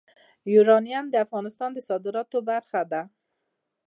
یورانیم د افغانستان د صادراتو برخه ده.